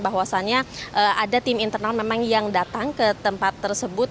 bahwasannya ada tim internal memang yang datang ke tempat tersebut